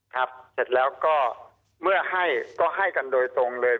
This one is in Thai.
เสร็จแล้วก็เมื่อให้ก็ให้กันโดยตรงเลย